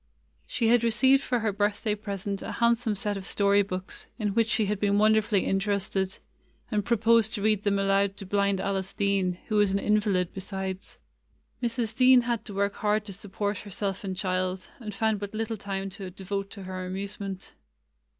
She had received for her birthday pres ent a handsome set of story books, in which she had been wonderfully interested, and pro posed to read them aloud to blind Alice Dean, who was an invalid besides. Mrs. Dean had to work hard to support herself and child, and ' found but little time to devote to her amuse ment.